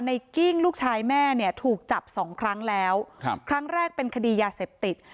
กิ้งลูกชายแม่เนี่ยถูกจับสองครั้งแล้วครับครั้งแรกเป็นคดียาเสพติด